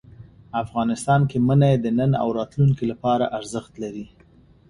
افغانستان کې منی د نن او راتلونکي لپاره ارزښت لري.